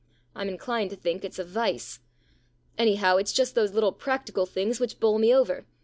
I'm inclined to think it's a vice. Anyhow, it's just those little practical things which bowl me over.